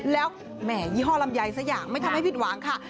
แล้วแหมยี่ห้อลำไยสักอย่างไม่ทำให้ผิดหวังค่ะ